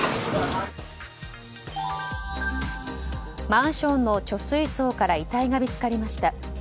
マンションの貯水槽から遺体が見つかりました。